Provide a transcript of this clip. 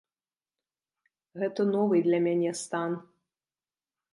Гэта новы для мяне стан.